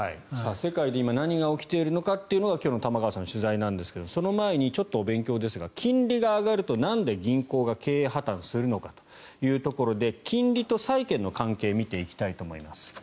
世界で今何が起きているのかというのが今日の玉川さんの取材なんですがその前にちょっとお勉強ですが金利が上がると、なんで銀行が経営破たんするのかというところで金利と債券の関係を見ていきたいと思います。